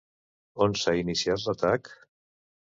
On s'ha iniciat l'atac?